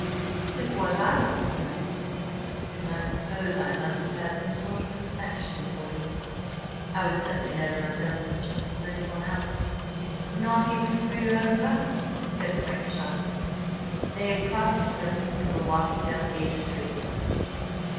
"'Tis what I want to know." "I suppose I must have had some sort of an affection for you. I would certainly never have done such a thing for anyone else." "Not even for your own brother!" said Frank sharply. They had crossed the Circus and were walking down Gay Street now.